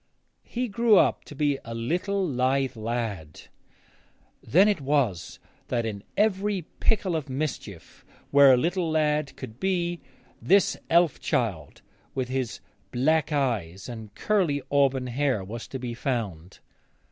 He grew to be a little lithe lad. Then it was that in every pickle of mischief where a little lad could be this elf child, with his black eyes and curly auburn hair, was to be found.